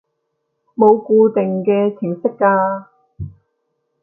冇固定嘅程式㗎